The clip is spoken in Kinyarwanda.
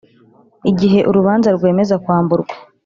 Igihe urubanza rwemeza kwamburwa